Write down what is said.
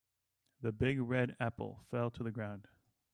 The big red apple fell to the ground.